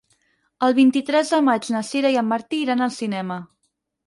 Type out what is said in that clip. El vint-i-tres de maig na Sira i en Martí iran al cinema.